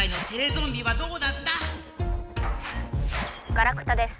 「ガラクタです」。